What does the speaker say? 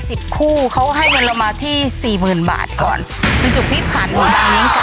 สิบคู่เขาให้เงินละมาที่สี่หมื่นบาทก่อนมันจะพริพันธุ์ว้าว